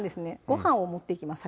ご飯を盛っていきます